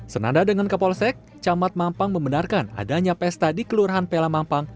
senada dengan kapolsek camat mampang membenarkan adanya pesta di kelurahan pela mampang